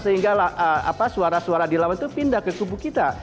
sehingga suara suara di lawan itu pindah ke kubu kita